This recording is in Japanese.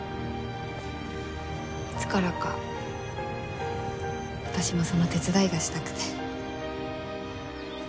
いつからか私もその手伝いがしたくて。